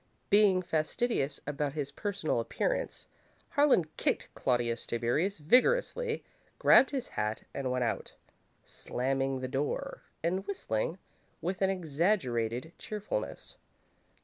Being fastidious about his personal appearance, Harlan kicked Claudius Tiberius vigorously, grabbed his hat and went out, slamming the door, and whistling with an exaggerated cheerfulness.